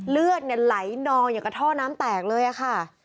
เลือดไหลนองอย่างกับท่อน้ำแตกเลยค่ะ